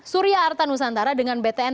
surya arta nusantara dengan btn